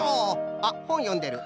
あっほんよんでる。